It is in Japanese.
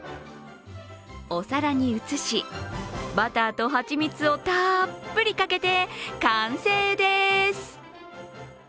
お皿に移し、バターと蜂蜜をたっぷりかけて完成です。